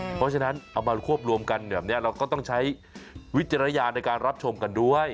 เพราะฉะนั้นเอามาควบรวมกันแบบนี้เราก็ต้องใช้วิจารณญาณในการรับชมกันด้วย